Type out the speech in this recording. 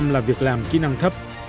ba mươi sáu là việc làm kỹ năng thấp